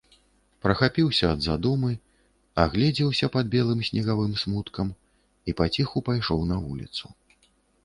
Прахапіўся ад задумы, агледзеўся пад белым снегавым смуткам і паціху пайшоў на вуліцу.